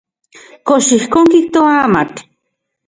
¿Kox ijkon kijtoa amatl?